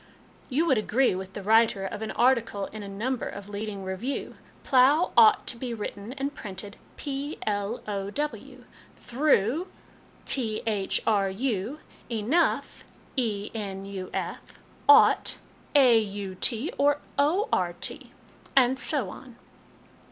" You would agree with the writer of an article in a number of a leading review :* Plough ought to be written and printed plow ; through, thru ; enough, enuf\ ought, aut or ort* ; and so on.